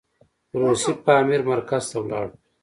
روسي پامیر مرکز ته ولاړو.